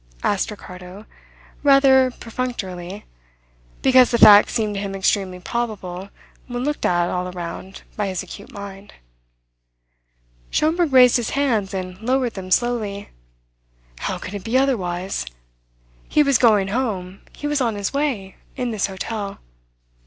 asked Ricardo, rather perfunctorily, because the fact seemed to him extremely probable when looked at all round by his acute mind. Schomberg raised his hands and lowered them slowly. "How can it be otherwise? He was going home, he was on his way, in this hotel.